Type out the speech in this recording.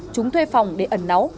chúng thuê phòng để ẩn náu